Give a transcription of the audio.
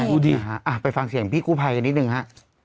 ใช่ดูดิอ่ะไปฟังเสียงพี่ผู้ภัยกันนิดนึงค่ะ